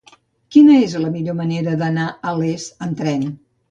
Quina és la millor manera d'anar a Les amb tren?